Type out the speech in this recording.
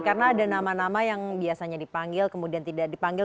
karena ada nama nama yang biasanya dipanggil kemudian tidak dipanggil